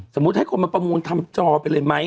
สมมุติให้คนมาประมูลทำจอไปเลยไหม